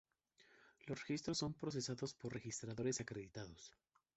Los registros son procesados por registradores acreditados.